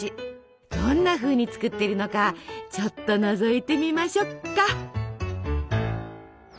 どんなふうに作っているのかちょっとのぞいてみましょっか。